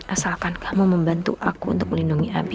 asalkan kamu membantu aku untuk melindungi abi